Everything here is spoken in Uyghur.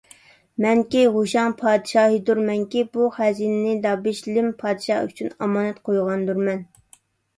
مەنكى ھۇشەڭ پادىشاھىدۇرمەنكى، بۇ خەزىنىنى دابىشلىم پادىشاھ ئۈچۈن ئامانەت قويغاندۇرمەن.